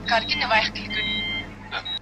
زه اوږده وخت لوښي وچوم وم!؟